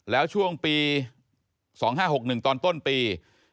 แล้วช่วงปี๒๕๖๑ตอนต้นปี